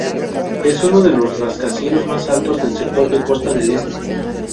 Es uno de los rascacielos más altos del sector de Costa del Este